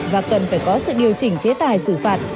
và cần phải có sự điều chỉnh chế tài xử phạt